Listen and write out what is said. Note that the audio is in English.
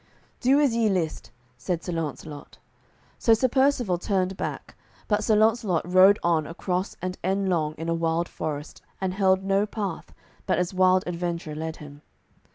"Do as ye list," said Sir Launcelot. So Sir Percivale turned back, but Sir Launcelot rode on across and endlong in a wild forest, and held no path, but as wild adventure led him.